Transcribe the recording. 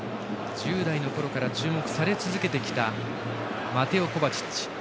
１０代のころから注目され続けてきたマテオ・コバチッチ。